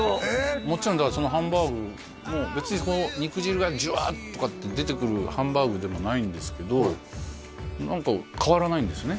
もちろんだからそのハンバーグも別に肉汁がジュワーとかって出てくるハンバーグでもないんですけど何か変わらないんですね